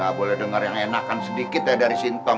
gak boleh denger yang enakan sedikit dari sintong